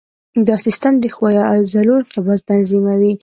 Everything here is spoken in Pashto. دا سیستم د ښویو عضلو انقباض تنظیموي.